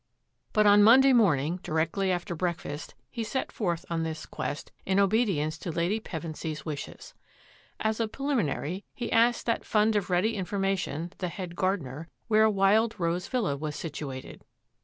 But on Mon day morning, directly after breakfast, he set forth on this quest in obedience to Lady Pevensy's wishes. As a preliminary, he asked that fund of ready information, the head gardener, where Wild Rose Villa was situated.